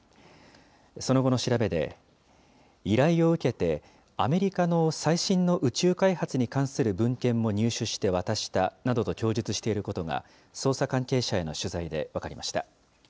その後の調べで、依頼を受けて、アメリカの最新の宇宙開発に関する文献も入手して渡したなどと供述していることが、捜査関係者への取材で分かりました。